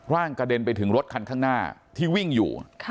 กระเด็นไปถึงรถคันข้างหน้าที่วิ่งอยู่